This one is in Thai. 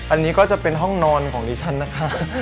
อันนี้ก็จะเป็นห้องนอนของดิฉันนะคะ